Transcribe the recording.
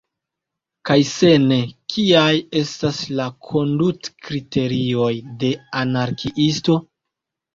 Kaj se ne, kiaj estas la kondutkriterioj de anarkiisto?